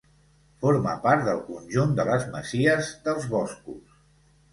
Forma part del conjunt de les Masies dels Boscos.